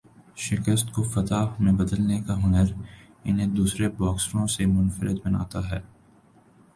شکست کو فتح میں بدلنے کا ہنر انہیں دوسرے باکسروں سے منفرد بناتا ہے۔